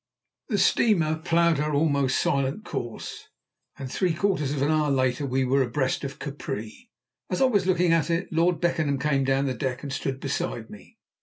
The steamer ploughed her almost silent course, and three quarters of an hour later we were abreast of Capri. As I was looking at it, Lord Beckenham came down the deck and stood beside me.